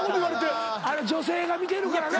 女性が見てるからな。